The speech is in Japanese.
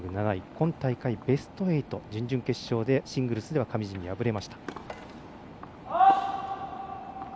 今大会ベスト８準々決勝でシングルスでは上地に敗れました。